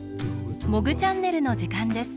「モグチャンネル」のじかんです。